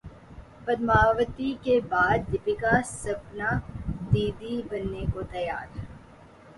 پدماوتی کے بعد دپیکا سپننا دی دی بننے کو تیار